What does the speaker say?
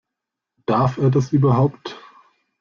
Darf er das überhaupt?